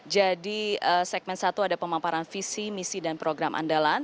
jadi segmen satu ada pemamparan visi misi dan program andalan